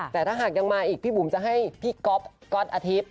แต่ถ้าหากยังมาอีกพี่บุ๋มจะให้พี่ก๊อฟก๊อตอาทิตย์